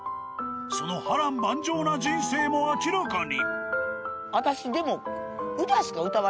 その波乱万丈な人生も明らかに。